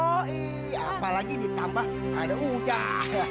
oh iya apalagi ditambah ada hujan